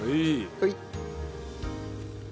はい。